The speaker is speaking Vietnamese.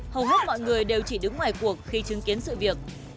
hầu hết mọi người đều chỉ đứng ngoài cuộc khi chứng kiến sự việc